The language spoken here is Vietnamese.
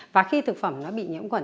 và khi thực phẩm nó bị nhiễm khuẩn